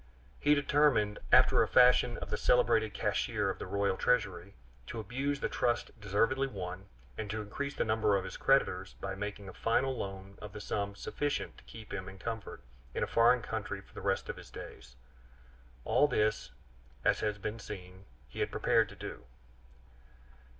He determined, after the fashion of the celebrated cashier of the Royal Treasury, to abuse the trust deservedly won, and to increase the number of his creditors by making a final loan of the sum sufficient to keep him in comfort in a foreign country for the rest of his days. All this, as has been seen, he had prepared to do.